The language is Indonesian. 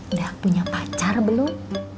udah punya pacar belum